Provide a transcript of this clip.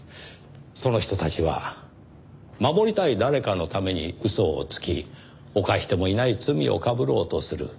その人たちは守りたい誰かのために嘘をつき犯してもいない罪をかぶろうとする。